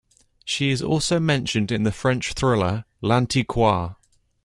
She is also mentioned in the French thriller "L'Antiquaire".